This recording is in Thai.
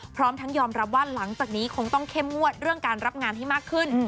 พร้อมทั้งยอมรับว่าหลังจากนี้คงต้องเข้มงวดเรื่องการรับงานให้มากขึ้น